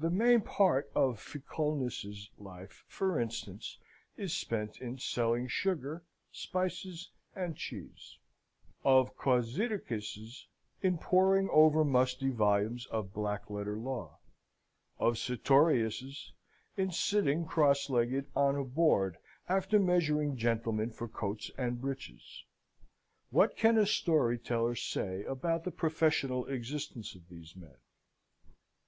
The main part of Ficulnus's life, for instance, is spent in selling sugar, spices and cheese; of Causidicus's in poring over musty volumes of black letter law; of Sartorius's in sitting, cross legged, on a board after measuring gentlemen for coats and breeches. What can a story teller say about the professional existence of these men?